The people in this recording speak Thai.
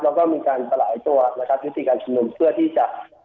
แล้วก็มีการสลายตัวนะครับยุติการชุมนุมเพื่อที่จะ